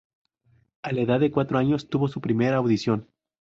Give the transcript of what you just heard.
A la edad de cuatro años tuvo su primera audición.